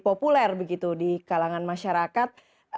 populer di kalangan masyarakat